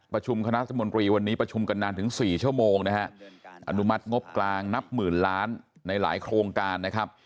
ประชุมคณะรัฐมนตรีวันนี้ประชุมกันนานถึง๔ชั่วโมงนะฮะอนุมัติงบกลางนับหมื่นล้านในหลายโครงการนะครับ